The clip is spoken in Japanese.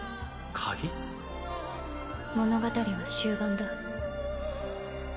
物語は終盤だ。